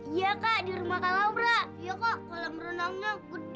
iya kak di rumah kalam rambut